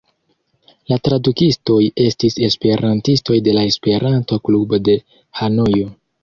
La tradukistoj estis esperantistoj de la Esperanto-klubo de Hanojo.